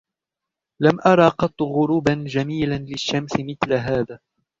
لم أرى قط غروبا جميلا للشمس مثل هذا.